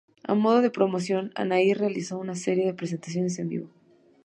A modo de promoción, Anahí realizó una serie de presentaciones en vivo.